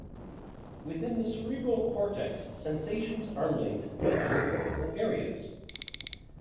Within the cerebral cortex, sensations are linked with other cortical areas.